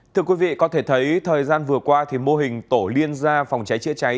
thưa quý vị có thể thấy thời gian vừa qua mô hình tổ liên ra phòng cháy chữa cháy